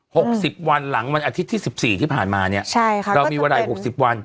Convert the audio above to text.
หกสิบวันหลังวันอาทิตย์ที่สิบสี่ที่ผ่านมาเนี้ยใช่ค่ะเรามีเวลาอีกหกสิบวัน